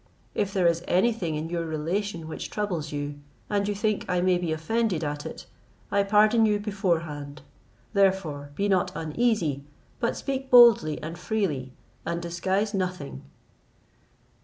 If there is any thing in your relation which troubles you, and you think I may be offended at it, I pardon you beforehand: therefore be not uneasy, but speak boldly and freely, and disguise nothing."